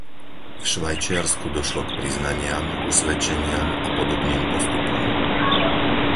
V Švajčiarsku došlo k priznaniam, usvedčeniam a podobným postupom.